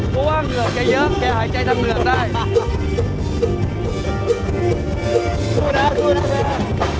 เพราะว่าเหนือกแค่เยอะแค่หายใจนักเหนือกได้